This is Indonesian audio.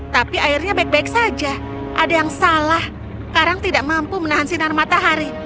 tapi airnya baik baik saja ada yang salah karang tidak mampu menahan sinar matahari